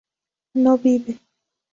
no vive